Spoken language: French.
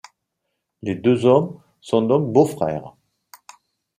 Les deux hommes sont donc beaux-frères.